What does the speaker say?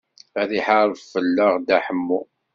Ad iḥareb fell-aɣ Dda Ḥemmu.